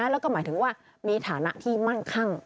แล้วก็หมายถึงว่ามีฐานะที่มั่งคั่ง